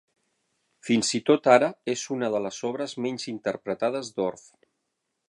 Fins i tot ara, és una de les obres menys interpretades d'Orff.